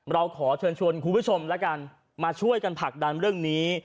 เราขอเชิญชวนคุณผู้ชมแล้วกันมาช่วยกันผลักดันเรื่องนี้